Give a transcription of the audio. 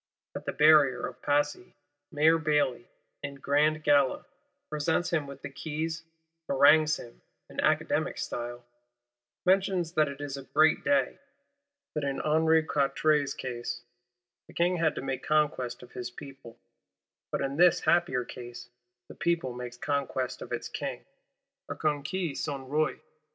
At the Barrier of Passy, Mayor Bailly, in grand gala, presents him with the keys; harangues him, in Academic style; mentions that it is a great day; that in Henri Quatre's case, the King had to make conquest of his People, but in this happier case, the People makes conquest of its King (a conquis son Roi).